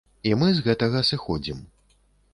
І мы з гэтага сыходзім.